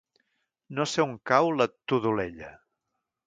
No sé on cau la Todolella.